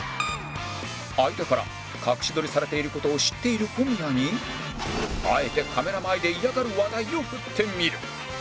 相田から隠し撮りされている事を知っている小宮にあえてカメラ前で嫌がる話題を振ってみる